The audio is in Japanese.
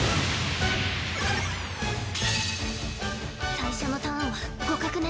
最初のターンは互角ね。